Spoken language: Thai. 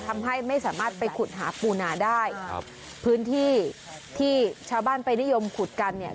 ทำให้ไม่สามารถไปขุดหาปูนาได้ครับพื้นที่ที่ชาวบ้านไปนิยมขุดกันเนี่ย